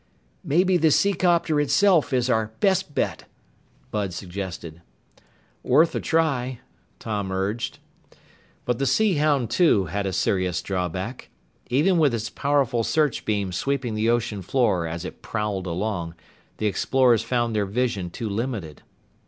"Maybe the seacopter itself is our best bet," Bud suggested. "Worth a try," Tom urged. But the Sea Hound, too, had a serious drawback. Even with its powerful search beam sweeping the ocean floor as it prowled along, the explorers found their vision too limited.